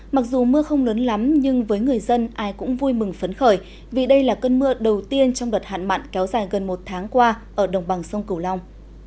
mặc dù mưa không lớn lắm nhưng với người dân ai cũng vui mừng phấn khởi vì đây là cơn mưa đầu tiên trong đợt hạn mặn kéo dài gần một tháng qua ở đồng bằng sông cửu long